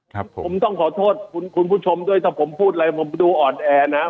ครับผมผมต้องขอโทษคุณคุณผู้ชมด้วยถ้าผมพูดอะไรผมดูอ่อนแอนะ